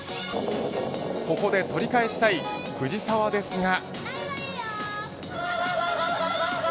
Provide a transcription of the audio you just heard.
ここで取り返したい藤沢ですが。